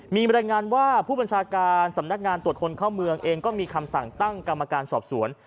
มีบรรยายงานว่าผู้บัญชาการสำนักงานตรวจคนเข้าเมืองเองก็มีคำสั่งตั้งกรรมการสอบสวน